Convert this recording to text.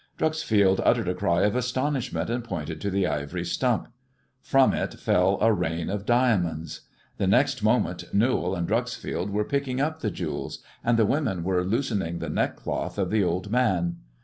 Dreuxfield uttered a cry of astonishment, and pointed to the ivory stump. From it fell a rain of diamonds. The next moment Newall and Dreuxfield were picking up the jewels, and the women were loosening the neckcloth of the old man.